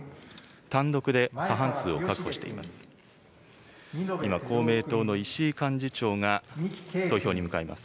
単独で過半数を確保しています。